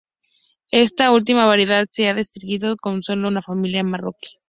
Esta última variedad se ha descrito tan solo en una familia marroquí.